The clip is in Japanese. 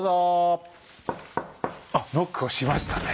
あノックをしましたね。